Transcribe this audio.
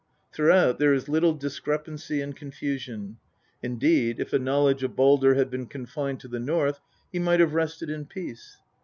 Throughout there is little discrepancy and confusion ; indeed, if a knowledge of Baldr had been confined to the North, he might have rested in peace.